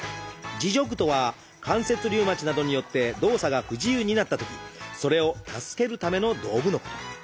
「自助具」とは関節リウマチなどによって動作が不自由になったときそれを助けるための道具のこと。